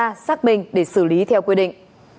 và được điều tra xác bình để xử lý theo quy định